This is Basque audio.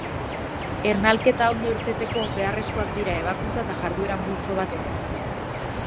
Ernalketa ondo irteteko, beharrezkoak dira ebakuntza eta jarduera-multzo bat ere.